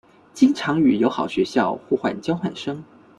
经常与友好学校互换交换生。